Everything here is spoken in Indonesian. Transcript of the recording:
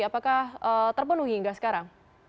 apakah terpenuhi enggak sekarang